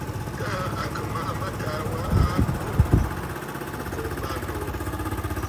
Taà à kɨ̀ màʼa mâtaà wa a kô m̀bândòò.